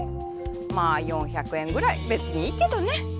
まあ４００円ぐらいべつにいいけどね。